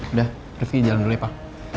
udah resmi jalan dulu ya pak